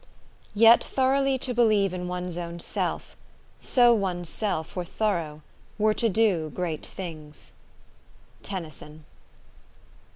"Yet thoroughly to believe in one's own self, So one's self were thorough, were to do Great things." TENNYSON.